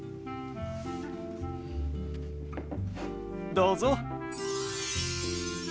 どうぞ。